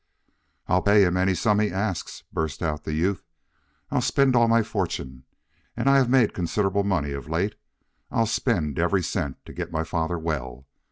"I'll pay him any sum he asks!" burst out the youth. "I'll spend all my fortune and I have made considerable money of late I'll spend every cent to get my father well!